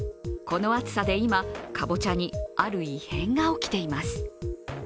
この暑さで今、かぼちゃにある異変が起きています。